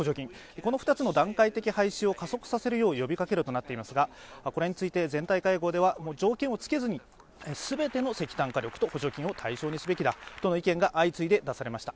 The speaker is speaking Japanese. この２つの段階的廃止を加速させるよう呼びかけるとなっていますがこれについて全体会合では条件をつけずにすべての石炭火力と補助金を対象にすべきだとの意見が相次いで出されました。